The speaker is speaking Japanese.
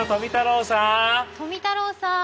富太郎さん。